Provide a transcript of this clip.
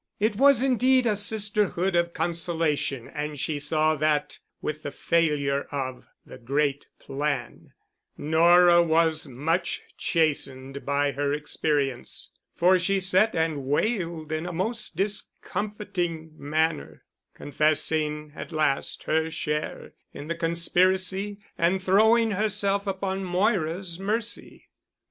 It was indeed a sisterhood of consolation and she saw that with the failure of the great plan, Nora was much chastened by her experience, for she sat and wailed in a most discomfiting manner, confessing at last her share in the conspiracy and throwing herself upon Moira's mercy.